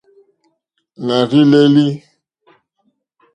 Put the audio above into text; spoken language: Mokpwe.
Nà rzí lélí.